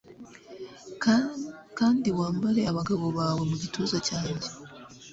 kandi wambare abagabo bawe mu gituza cyanjye